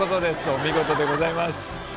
お見事でございます。